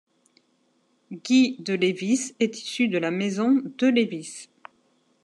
Guy de Lévis est issu de la maison de Lévis.